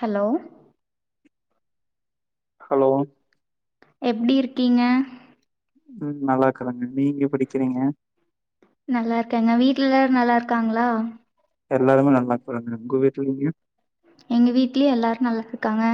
Hello hello எப்டி இருக்கீங்க ம் நல்லா இருக்கறங்க நீங்க எப்டி இருக்கிறீங்க நல்லா இருக்கங்க வீட்லெல்லாம் நல்லா இருக்காங்களா எல்லாருமே நல்லா இருக்குறாங்க உங்க வீட்டுலங்க எங்க வீட்லயு எல்லாரும் நல்லா இருக்காங்க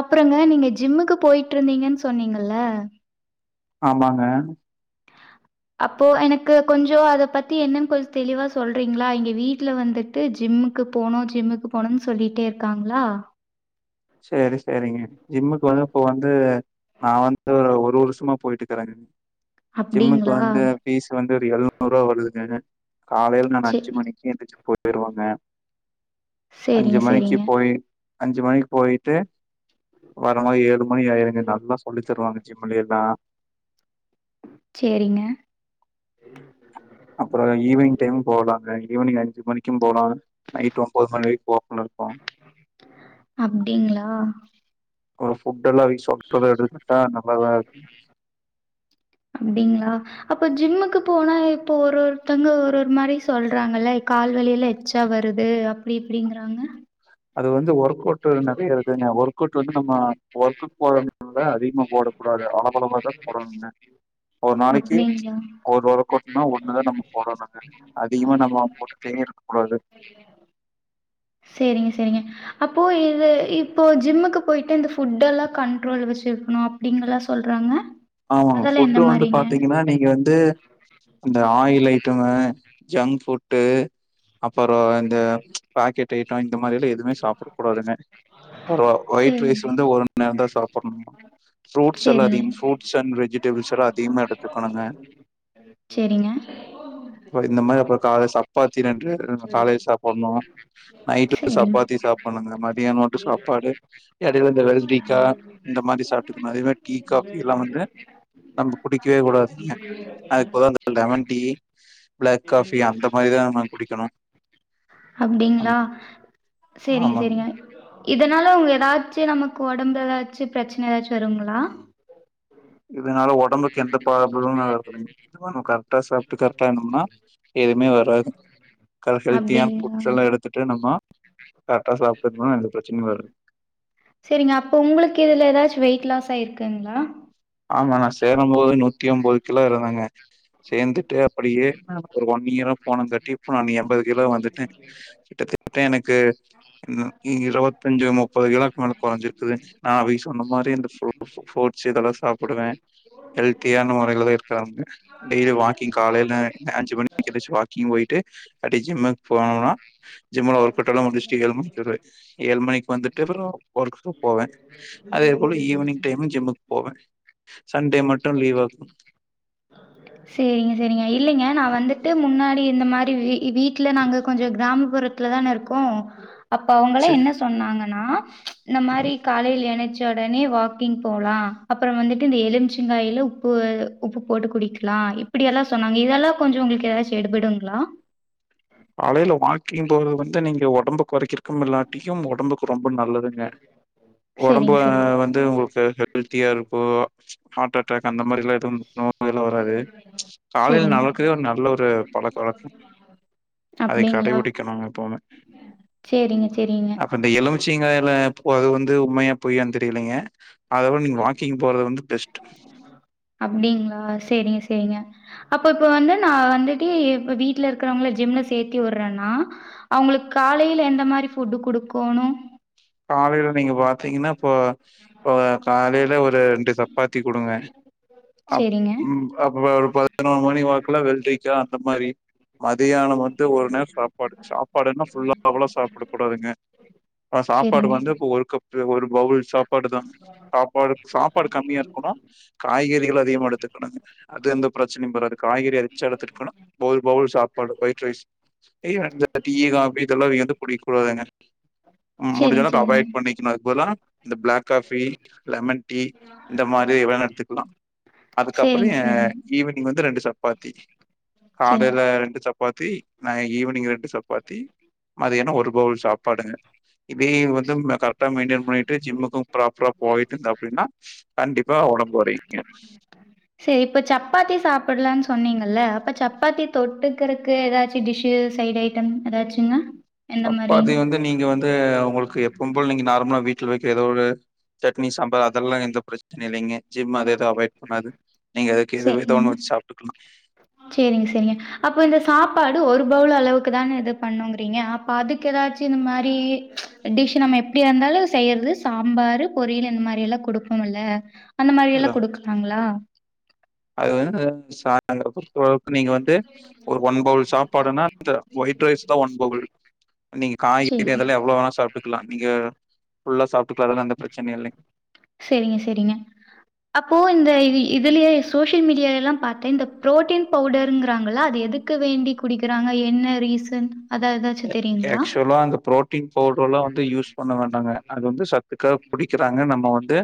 அப்புறங்க நீங்க ஜிம்முக்கு போயிட்டு இருந்தீங்கன்னு சொன்னீங்கல்ல ஆமாங்க அப்போ எனக்கு கொஞ்சோ அத பத்தி என்னன்னு கொஞ்ச தெளிவா சொல்றீங்களா எங்க வீட்ல வந்துட்டு ஜிம்முக்கு போனும் ஜிம்முக்கு போனும்னு சொல்லிட்டே இருக்காங்களா சேரி சேரிங்க ஜிம்முக்கு வந்து இப்ப வந்து நான் வந்து ஒரு வருஷமா போயிட்டுக்கறேங்க ஜிம்முக்கு அப்டிங்களா வந்து பீஸ் வந்து ஒரு எழுநூறு ரூபா வருதுங்க காலைல நா சே அஞ்சு மணிக்கும் எந்திருச்சு போயிருவேங்க அஞ்சு சேரிங்க மணிக்கு சேரிங்க போயி அஞ்சு மணிக்கு போயிட்டு வர மாரி ஏழு மணி ஆயிருங்க நல்லா சொல்லி தருவாங்க ஜிம்ல எல்லாம் சேரிங்க அப்பறம் ஈவினிங் டைம் போகலாங்க ஈவினிங் அஞ்சு மணிக்கும் போலாம் நைட் ஒன்பது மணி வரைக்கும் ஓபன்ல இருக்கு அப்டிங்களா ஒரு ஃபுட்ல்லா ரீஸ்டாக்ல இருந்து எடுத்தா நல்லாதான் இருக்கும் அப்டிங்களா அப்ப ஜிம்முக்கு போனா இப்போ ஒரு ஒருத்தங்க ஒரு ஒரு மாதிரி சொல்றாங்கல்ல கால்வலியிலா உச்சா வருது அப்டி இப்டிங்கறாங்க அது வந்து ஒர்க் அவுட் நறைய இருக்குதுங்க ஒர்க் அவுட் வந்து நம்ம ஒர்க்கு போறன் அதிகமா போடக்க கூடாது அளவளவாதான் போடணும்னு ஒரு நாளைக்கு அப்டிங்களா ஒரு வர போட்டும்னா ஒண்ணுதான் நம்ம போடணுங்க அதிகமா நம்ம போட்டுட்டே இருக்க கூடாது சேரிங்க சேரிங்க அப்போ இது இப்போ ஜிம்முக்கு போய்ட்டு இந்த புட் எல்லாம் கண்ட்ரோல் வச்சுருக்கணும் அப்டிங்கல்லாம் சொல்றாங்க ஆமாங்க அதெல்லா எந்த ஃபுட்டு வந்து மாரிங்க பாத்தீங்கன்னா நீங்க வந்து அந்த ஆயில் ஐட்டமு ஜங்க் ஃபுட்டு அப்பறோ இந்த பாக்கெட் ஐட்டம் இந்த மாரிலாம் எதுவுமே சாப் படக் கூடாதுங்க ஒரு ஒயிட் சேரிங்க ரைஸ் வந்து ஒரு நேரம் தான் சாப்பிடணும் ஃப்ரூட்ஸ் எல்லாம் சேரிங்க அதிகம் ஃப்ரூட்ஸ் அண்டு வெஜிடேபள்ஸ் எல்லாம் அதிகமா எடுத்துக்கணுங்க சேரிங்க ப்ப இந்த மாரி அப்புறம் காலை சப்பாத்தி நெண்டு காலைல சாப்புட்ணு நைட்க்கு சேரிங்க சப்பாத்தி சாப்ணுங்க மதியானம் மட்டு சாப்பாடு இடையல இந்த வெள்ரிக்கா இந்த மாரி சாப்பிட்டுக்கணு அதே மாரி டீ காபி ல்லாம் வந்து நம்ம குடிக்கவே கூடாதுங்க அதே போல லெமன் டீ பிளாக் காஃபி அந்த மாரிதா நம்ம குடிக்கணு அந் அப்டிங்களா சரிங்க ஆமாங்க சரிங்க இதனால அவங்க ஏதாச்சு நமக்கு ஒடம்பு ஏதாச்சு பிரச்சனை ஏதாச்சு வருங்களா இதனால உடம்புக்கு எந்த ப்ராப்லம் வராதுங்க நம்ம கரெக்டா சாப்ட்டு கரெக்டா இருந்தோம்னா எதுமே வராது க ஹலத்தியான அப்டிங்களா ஃபுட்ஸ்லா எடுத்து பத்துட்டு நம்ம கரெக்டா சாப்டோமா எந்த பிரச்சனையு வரு சரிங்க அப்போ உங்களுக்கு இதுல ஏதாச்சு வெயிட் லாஸ் ஆயிருக்குங்களா ஆமா நா சேரம்போது நூத்தி ஒன்பது கிலோ இருந்தேங்க சேர்ந்துட்டு அப்டியே ஒரு ஒன் இயராபோனுங்காட்டி இப்ப நா எண்பது கிலோ வந்துட்டே கிட்டத்தட்ட எனக்கு இருவத்தஞ்சு முப்பது கிலோக்கு மேல குறைஞ்சிருக்குது நா வைஸ் முன்னமாரி இந்த ஃப்ரூட்ஸ் இதெல்லா சாப்பிடுவே ஹெல்த்தியான முறையில தா இருக்கிறாங்க டய்லி வாக்கிங் காலையில அஞ்சு மணிக்கு எந்துச்சு வாக்கிங் போயிட்டு அப்டி ஜிம்முக்கு போனோம்னா ஜிம்ல ஒர்க் கவுட்டால முடிச்சுட்டு ஏழு மணிக்கு வரு ஏழு மணிக்கு வந்துட்டப்புறோ ஒர்க் போவே அதே போல ஈவினிங் டைம் ஜிம்முக்கு போவே சண்டே மட்டு லீவ் ஆகு சேரிங்க சேரிங்க இல்லலைங்க நா வந்துட்டு முன்னாடி இந்த மாதிரி வீட்டுல நாங்க கொஞ்ச கிரா கிராமபுரத்துலதான இருக்கோ அப்ப அவங்கலா சே என்ன சொன்னாங்கன்னா இந்த மாதிரி காலையில் எனச்சி எந்திச்ச உடனே வாக்கிங் போகலா அப்புறோ வந்துட்டு இந்த எலுமிச்சங்காய்ல உப்பு உப்பு போட்டு குடிக்கு டக்ளா இப்படியெல்லா சொன்னாங்க இதெல்லா கொஞ்ச உங்களுக்கு ஏதாச்சு எடுபடுங்களா காலையில வாக்கிங் போறது வந்து நீங்க உடம்பு குறைக்க இல்லாட்டியு உடம்புக்கு ரொம்ப நல்லதுங்க உடம்பு சரிங்க, சரிங்க. வந்து எது உங்களுக்கு ஹெல்தியா இருக்கோ ஹார்ட் அட் அட்டாக் அந்த மாதிரில்லா எதுவு நோயெல்லா வராது காலையில சரிங்க. நடக்கே ஒரு நல்ல ஒரு பழக்க வழக்க அதை அப்படிங்களா? கடைபிடிக்கணும்ங்க எப்பவுமே சரிங்க, சரிங்க. அந்த எலுமிச்சிங்காய்ல அது வந்து உண்மையா பொய்யானு தெரியலைங்க அதை விட நீங்க வாக்கிங் போறது வந்து பெஸ்ட் அப்படிங்களா செரிங்க செரிங்க அப்ப இப்ப வந்து நா வந்துட்டு இப்ப வீட்டு்ல இருக்கறவங்கள ஜிம்ல சேர்த்தி விடுறேன்னா அவங்களுக்கு காலையில எந்த மாதிரி ஃபுட்டு கொடுக்கோணு காலையில நீங்க பாத்தீங்கன்னா இப்போ காலையில ஒரு ரெண்டு சப்பாத்தி கொடுங்க அப் சரிங்க, ம் அப்பறம் ஒரு பதினொரு மணி வாக்குல வெல்ரிக்கா அந்த மாதிரி மந்தியான மட்டு ஒரு நேர சாப்பாடு சாப்பாடுனா ஃபுல்லா அவ்வளவு சாப்பிட கூடாதுங்க ப்ப சாப் சரிங்க, ஒரு கப் ஒரு பவுல் சாப்பாடு தா சாப்பாடு சாப்பாடு கம்மியா இருக்கனு காய்கறிகள் அதிகமா எடுத்துக்கணுங்க அது எந்த பிரச்சனையு வராது காய்கறி ரிச்சா எடுத்துகணு ஒரு பவுல் சாப்பாடு ஒயிட் ரைஸ் இப்பயு வந்து டி காஃபி இதெல்லா வந்து எது குடிக் கூடாதுங்க சரிங்க முடிஞ்சளவுக்கு அவாய்ட் சரிங்க, பண்ணிக் அதுக் பதுல இந்த பிளாக் காபி லெமன் டீ இந்த மாரி வேணா எடுத்துக்கலா அதுக்கப்றோ சரிங்க, எ சரிங்க, ஈவினிங் வந்து ரெண்டு சப்பாத்தி சரிங்க. காலைல ரெண்டு சப் ப்பாத்தி நா ஈவினிங் ரெண்டு சப்பாத்தி மதியானோ ஒரு பவுல் சாப்பாடுங்க இப்பேயே வந்து கரெக்டா மெயின்டன் பண்ணிட்டு ஜிம்முக்கும் ப்ராப்பரா போயிட்டு இருந்த அப்டின்னா கண்டிப்பா ஒடம்பு கொரையுங்க செரி இப்போ சப்பாத்தி சாப்டலானு சொன்னீங்கல்ல அப்ப சப்பாத்தி தொட்டுக்கிறக்கு ஏதாச்சு டிஷ்ஷு சைடைய் ம் எதாச்சுங்க சப்பாத்தி வந்து நீங்க வந்து உங்களுக்கு எப்பவு போல நீங்க நார்மலா வீட்ல வைக்க ஏதோ ஒரு சட்னி சாம்பார் அதெல்லா எந்த பிரச்சனையு இல்லைங்க ஜிம் அத எது அவாய்ட் பண்ணாது நீங்க அதுக்கு எது எதோ ஒண்ணு சரிங்க. வச்சு சாப்ட்டுக்கலா சேரிங்க சேரிங்க அப்ப இந்த சாப்பாடு ஒரு பவுல் அளவுக்கு தானே இது பண்ணுங்கிறீங்க அப்ப அதுக்கு ஏதாச்சு இது மாரி டிஷ் நம்ம எப்டியா இருந்தாலு செய்யிறது சாம்பாரு பொரியல் இந்த மாரி எல்லா குடுப்போம்ல்ல அந்த மாரி எல்லா அதான் குடுக்கலாங்ளா அது வந்து [inaudible] நீங்க வந்து ஒரு ஒன் பவுல் சாப்பாடுனா இந்த ஒயிட் ரைஸ் தா ஒன் பவுல் நீங்க காய்கறி சேரி. அதெல்லா எவ்ளோ வேணா சாப்ட்டுக்கலா நீங்க ஃபுல்லா சாப்ட்டுக்கலா அதெல்லா எந்த பிரச்சனையு இல்லைங்க செரிங்க செரிங்க அப்போ இந்த இது இதுலயே சோசியல் மீடியால எல்லா பாத்தே இந்த புரோட்டீன் பவுடருங்கிறாங்களா அது எதுக்கு க்கு வேண்டி குடிக்கிறாங்க என்ன ரீசன் அதா அ ஏதாச்சும் தெரியுங்களா? ஆக்சுவலா அந்த புரோட்டீன் பவுடர் எல்லா வந்து யூஸ் பண்ண வேண்டாங்க அது வந்து சத்துக்காக குடிக்க றாங்க நம்ம வந்து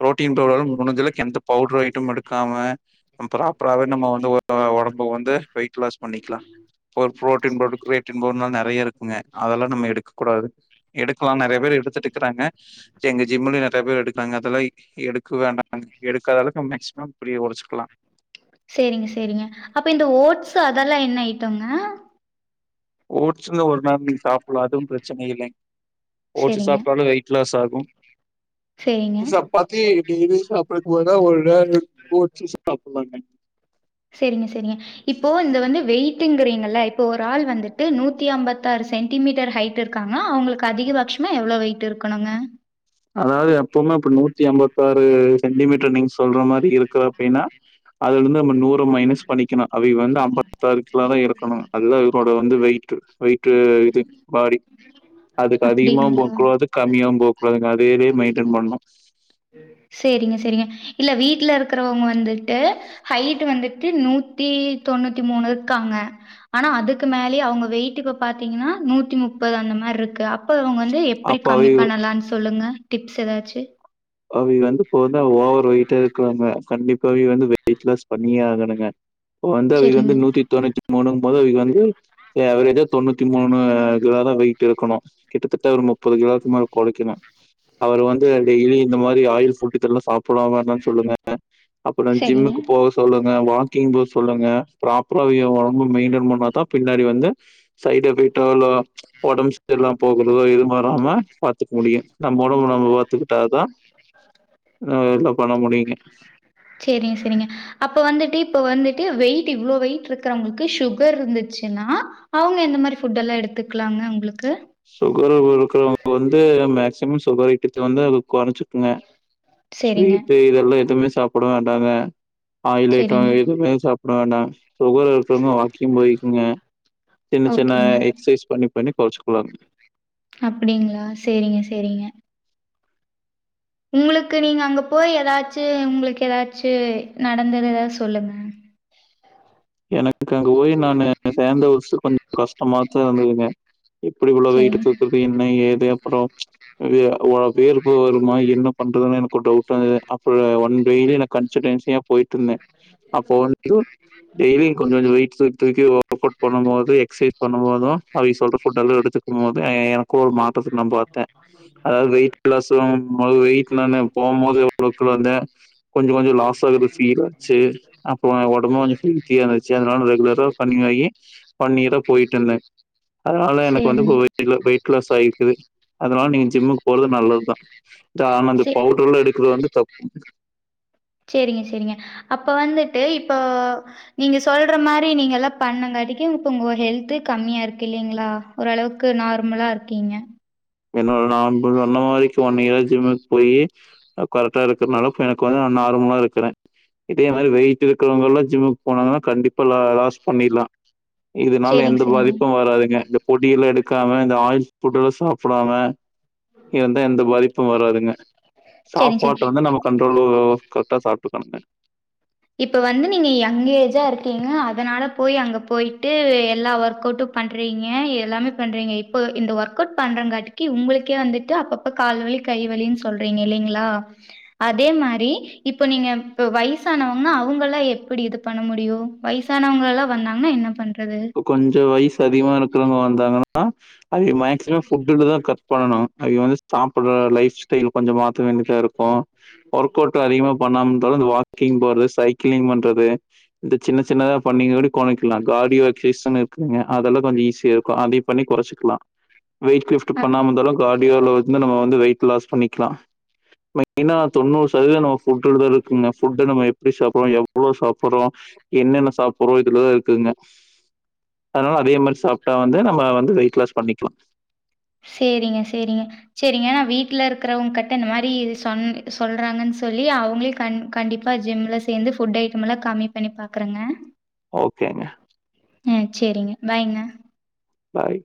புரோட்டீன் பவுடர் மூடுச்ச அளவுக்கு எந்த பவுடர் ஐட்டுமும் எடுக்காம ப்ராப்பராவே நம்ம வந்து ஒடம்ப வந்து வெயிட் லாஸ் பண்ணிக்லா ஒரு புரோட்டன் பவுடர் கிரேட் பௌவ்னா நெறைய இருக்குங்க அதெல்லா நம்ம எடுக்க கூடாது எடுக்கலா நெறைய பேர் எடுத்துட்டு இருக்கிறாங்க எங்க ஜிம்முலையு நெறைய பேர் எடுக்குறாங்க அதெல்லா எடுக்க வேண்டாங்க எடுக்காத அளவுக்கு மேக்சிமம் இப்டியே கொறச்சிக்லா செரிங்க செரிங்க அப்ப இந்த ஓட்ஸ் அதெல்லா என்ன ஐட்டோங்க ஓட்ஸ்சுல ஒரு நேரோ நீங்க சாப்லா அதுவு பிரச்சன இல்லைங்க ஓட்ஸ் சேரிங்க, சாப்பிட்டாலு வெய்ட் ட்லாஸ் ஆகு சேரிங்க. சப்பாத்தி டெய்லியு சாப் [unintelligible] செரிங்க செரிங்க இப்போ இந்த வந்து வெய்ட்டுங்கிறீங்கள இப்போ ஒரு ஆள் வந்துட்டு நூத்தி ஐம்பத்தாறு சென்டிமீட்டர் ஹைட் டு இருக்காங்க அவங்களுக்கு அதிகபட்சமா எவ்ளோ வெயிட் இருக்கணுங் அதாவது எப்பவுமே இப்டி நூத்தி ஐம்பத்தாறு சென்டிமீட்டர் நீங்க சொல்ற மாரி இருக்கு அப்டின்னா அதுல இருந்து நம்ம நூற மைனஸ் பண்ணிக்கணு அவிக வந்து அம்பத்தாறு கிலா தா இருக்கணு அதுதா இவரோட வந்து வெயிட் வெய்ட்டு இது பாடி அதுக்கு அதிகமாவு அப்படிங்களா? போக்கூடாது கம்மியாவு போக்கூடாதுங்க வேரே மென்ட்டன் பண்ணு சேரிங்க சேரிங்க இல்ல வீட்ல இருக்கிறவங்க வந்துட்டு ஹைட் வந்துட்டு நூத்தி தொண்ணூத்தி மூணு இருக்காங்க ஆனா அதுக்கு மேலயே அவுங்க வெயிட்க்கு பாத்தீங்கன்னா நூத்தி முப்பது அந்த மாரி இருக்கு அப்ப இவங்க வந் து எப்டி அப்ப கம்மி அவிக பண்ணலானு சொல்லுங்க டிப்ஸ் எதாச்சு அவிக வந்து இப்போ வந்து ஓவர் வெய்ட்டா இருக்கிறாங்க கண்டிப்பாவே வந்து வெயிட் லாஸ் பண்ணியே ஆகணுங்க வந்து அவிக வந்து சரிங்க. நூத்தி தொண்ணூத்தி மூணுன்போது அவிக வந்து சே ஆவ்ரேஜா தொண்ணூத்தி மூணு கிலோ தா வெயிட் இருக்கணு கிட்டத்தட்ட ஒரு முப்பது கிலோக்கு மேல குழைக்கணு அவர வந்து டெய்லி இந்த மாரி ஆயில் ஃபுட் இதெல்லா சாப்டவேண்டான்னு சொல்லுங்க அ அப்புறோ சரிங்க. ஜிம்முக்கு போக ஸ் சொல்லுங்க வாக்கிங் போவ் சொல்லுங்க ப்ராப்பரா வியு ஒடம்ப மெயின்டென் பண்ணாத்தா பின்னாடி வந்து சைட் எஃபெக்ட் அதெல்லா ஒடம் செரில்லாம் போகுறுதோ எதும் வராம பாத்துக் முடியு. நம்மப ஒடம்ப நம்ப பாத்துக்கிட்டாதா ந எல்லா பண்ண முடியுங்க. சேரிங் செரிங்க‌. அப்ப வந்துட்டு இப்ப வந்துட்டு வெய்ட் இவ்ளோ வெயிட் இருக்கறவங்களுக்கு சுகர் இருந்துச்சுன்னா அவுங்க எந்த மாரி ஃபுட் எல்லா எடுத்துக்லாங்க அவ்ங்குளுக்கு? சுகர்வ் இருக்கறவங்க வந்து மேக்சிமம் சுகர் ஐட்டத்தையே வந்து அது கொறச்சு ங்க சரிங்க, ஸ்வீட்டு இதெல்லா எதுமே சாப்பட வேண்டாங்க. ஆயில் ஐட்டோ சரிங்க. எதுமே சாப்ட வேண்டாங். சுகர் இருக்கறவங்க வாக்கிங் போய்க்குங்க. சின்ன சின்ன ஓகேங்க. எக்சைஸ் பண்ணி பண்ணி கொறச்சுக்கலாங். அப்டிங்ளா சேரிங்க சேரிங்க. உங்குளுக்கு நீங்க அங்க போய் எதாச்சு உங்குளுக்கு எதாச்சு நடந்தது எதாவது சொல்லுங்க. எனக்கு அங்க போய் நானு சேந்த [inaudible] கொஞ்சோ கஷ்டமாத்தா இருந்துதுங்க. எப்பிடி இவ்ளோ வெய்ட்டு சரிங்க, தூக்கறது என்ன ஏது அப்புறோ வே வ வேல்கு வருமா என்ன பண்றதுனு எனக்கு ஒரு டவுட்டாந்தது அப்புற ஒன் டெய்லி நா கன்சிடென்சியா போய்ட்டுந்தே அப்போ வந்து டெய்லி கொஞ்சோ கொஞ்சோ வெய்ட் தூக் தூக்கியே ஒர்க்கவுட் பண்ணும் போது எக்சைஸ் பண்ணும் போது அவிய சொல்ற ஃபுட்டல்லா எடுத்துக்கு மோத் அ எ எ எனக்கு ஒரு மாற்றத்துக்கு நா பாத்தே அதாவது வெயிட் லாசாவும்போது வெய்ட் நானு போம்போது எவ்ளோ கிலோ இந்தே. கொஞ்சோ கொஞ்சோ லாஸ் ஆகுறது ஃபீல் ஆச்சு அப்பமே ஒடம்பு கொஞ்சோ ஃபீல் தியாந்துச்சு அதனால் நா ரெகுலரா கன்னியுவாயி [unintelligible] போய்ட்டுந்தே. அதனால எனக்கு வந்து இப்ப சரிங்க. வெயிட்ல வெயிட் லாஸ் ஆயிக்குது அதனால நீங்க ஜிம்முக்கு போறது நல்லதுதா. இது ஆனா இந்த சே பவுடர்லா எடுக்கறது வந்து தப்பு. சேரிங்க சேரிங்க அப்ப வந்துட்டு இப்போ நீங்க சொல்ற மாரி நீங்க எல்லா பண்ணங்காட்டிக்கு இப்ப உங்க ஹெல்த்து கம்மியா இருக்கு இல்லீங்ளா. ஒரளவுக்கு நார்மலா இருக்கீங்க. என்னோடது நா இப்ப சொன்ன மாரி இப்ப ஒன் இயரா ஜிம்முக் போயி அ கரெக்ட்டா இருக்கற்னால இப்ப எனக்கு வந்து நா நார்மலா இருக்கறே. இதே மாரி வெயிட் இருக்கறவங்கள்லா ஜிம்முக் போனாங்கனா கண்டிப்பா லா லாஸ் பண்ணிர்லா. இதுனால சேரிங் எந்த சேரிங்க பாதிப்பு வராதுங்க இந்த பொடியெல்லா எடுக்காம இந்த ஆயில்ஸ் ஃபுட்டெல்லா சாப் படாம இருந்தா எந்த பாதிப்பு வராதுங்க சேரிங் சேரி சாப்பாட்ட வந்து நம்ம கன்ட்ரோலு கரட்டா சாப்ட்டுக்கணுங்க. இப்போ வந்து நீங்க யங் ஏஜா இருக்கீங்க அதனால போய் அங்க போயிட்டு எல்லா ஒர்க் அவுட்டு பண்றீங்க எல்லாமே பண்றீங்க இப்பொ இந்த ஒர்க் அவுட் பண்றங்காட்டிக்கி உங்குளுக்கே வந்துட்டு அப்பப் ப கால்வலி கை வலின் சொல்றீங்க இல்லைங்ளா அதே மாரி இப்ப நீங்க இப்ப வயசானவ ங்னா அவுங்கல்லா எப்பிடி இது பண்ண முடியு வயசானவங்கலல்லா வந்தாங்ன்னா என்ன பண்றது? கொஞ்சோ வய்சு அதிகமா இருக்றவங்க வந்தாங்கனா அவிய மேக்சிமோ ஃபுட்டுலதா கட் பண்ணனு அவிய வந்து ஸ் சாப்புட்ற லைஃப் ஸ்டைல் கொஞ்சோ மாத்த வேண்டிதா இருக்கு ஒர்க் அவுட் டு அதிகமா பண்ணாம இருந்தாலு இந்த வாக்கிங் போறது சைக்கிளிங் பண்றது இந்த சின்ன சின்னதா பண்ணிங்கூடி கோனைக்கலா காடியோ கிசன் இருக்குதுங்க அதெல்லா கொஞ்ச ஈஸியாருக்கு அதைய பண்ணி கொறச்சுக்லா. வெயிட் லிஃப்ட்டு அ பண்ணாம இந்தாலு த ஆடியோல வந்து நம்ம வந்து வெயிட் லாஸ் பண்ணிக்லா. மெய்னா தொண்ணூர்ஸ் சரியா நாம ஃபுட் [unintelligible] நம்ம எப்படி சாப்புறோம் எவ்ளோ சாப்புறோ என்னென்ன சாப்புறோ இதுலதா இருக்குங்க அதனால அதே மாரி சாப்ட்டா வந்து நம்ம வந்து வெயிட் லாஸ் பண்ணிக்லா சேரிங்க சேரிங்க சரிங்க நா வீட்ல இருக்கறவங்க கட்ட இந்த மாரி சொ சொல்றாங்கன்னு சொல்லி அவங்கள கண் கண்டிப்பா ப ஜிம்ல சேந்து புட் ஐட்டம்மெல்லா கம்மி பண்ணி பாக்குறங்க ஓகேங்க ம் சேரிங்க பாய்ங்க பாய்